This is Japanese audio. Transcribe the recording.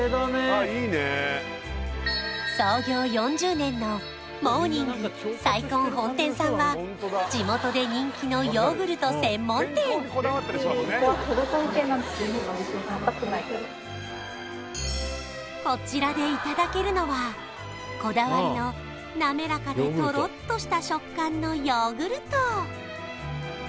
ああいいね創業４０年のモーニング菜根本店さんは地元で人気のこちらでいただけるのはこだわりの滑らかでトロッとした食感のヨーグルト